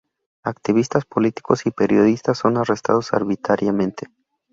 Activistas políticos y periodistas son arrestados arbitrariamente.